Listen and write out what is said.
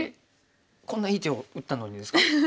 えっこんないい手を打ったのにですか？